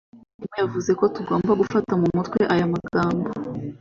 Umwarimu yavuze ko tugomba gufata mu mutwe aya magambo